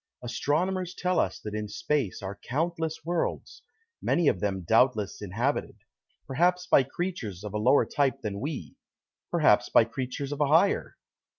Astronomers tell us that in space are countless worlds, many of them doubtless inhabited perhaps by creatures of a lower type than we, perhaps by creatures of a higher.